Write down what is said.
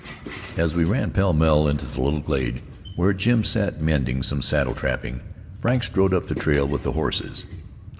As we ran pell mell into the little glade, where Jim sat mending some saddle trapping, Frank rode up the trail with the horses.